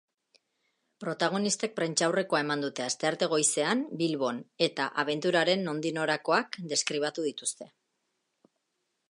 Protagonistek prentsaurrekoa eman dute asterate goizean bilbon eta abenturaren nondik norakoak deskribatu dituzte.